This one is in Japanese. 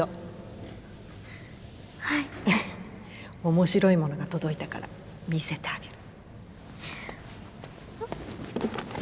面白いものが届いたから見せてあげる。